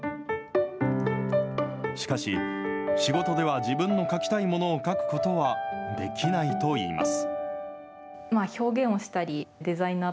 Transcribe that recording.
しかし、仕事では自分の描きたいものを描くことはできないといいます。